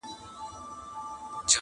د ریا بازار یې بیا رونق پیدا کړ,